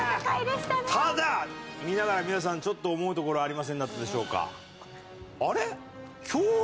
ただ見ながら皆さんちょっと思うところありませんでしたでしょうか？